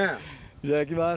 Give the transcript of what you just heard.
いただきます。